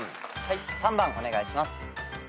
３番お願いします。